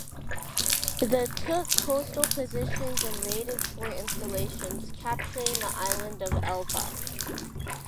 The took coastal positions and raided shore installations, capturing the island of Elba.